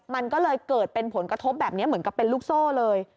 มันก็เลยเกิดเป็นผลกระทบแบบนี้เหมือนกับเป็นลูกโซ่เลย